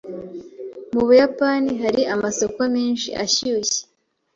Mu Buyapani, hari amasoko menshi ashyushye.